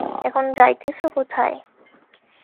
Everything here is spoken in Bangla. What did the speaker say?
এখন যাইতেছ কোথায়?